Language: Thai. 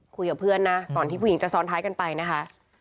คุยกับเพื่อนนะก่อนที่ผู้หญิงจะซ้อนท้ายกันไปนะคะ